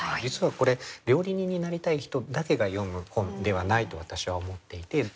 実はこれ料理人になりたい人だけが読む本ではないと私は思っていて。